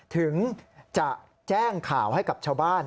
ถึงจะแจ้งข่าวให้กับชาวบ้าน